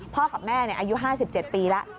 กับแม่อายุ๕๗ปีแล้ว